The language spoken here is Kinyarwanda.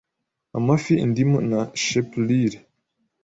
Amafi Indimu na Shapelire